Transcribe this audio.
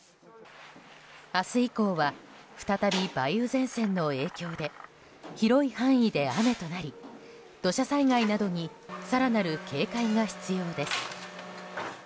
明日以降は再び梅雨前線の影響で広い範囲で雨となり土砂災害などに更なる警戒が必要です。